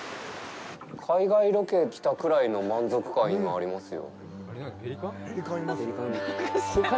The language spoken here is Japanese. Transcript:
海外ロケに来たくらいの満足感が今、ありますよ。